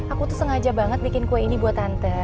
aku tuh sengaja banget bikin kue ini buat tante